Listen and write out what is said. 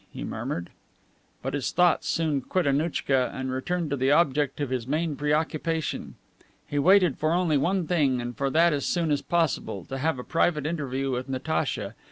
he murmured. But his thoughts soon quit Annouchka and returned to the object of his main preoccupation. He waited for only one thing, and for that as soon as possible to have a private interview with Natacha.